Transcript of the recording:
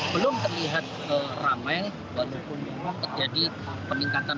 belum terlihat ramai walaupun memang terjadi peningkatan